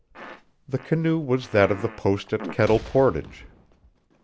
The canoe was that of the post at Kettle Portage.